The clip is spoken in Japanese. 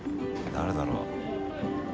誰だろう？